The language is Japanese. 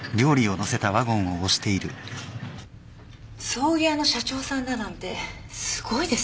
葬儀屋の社長さんだなんてすごいですね。